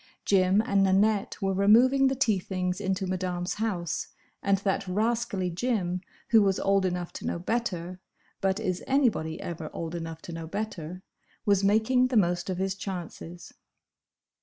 Jim and Nanette were removing the tea things into Madame's house, and that rascally Jim, who was old enough to know better—but is anybody ever old enough to know better?—was making the most of his chances.